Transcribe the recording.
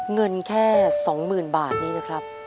เงินแค่สองหมื่นบาทนี่นะครับ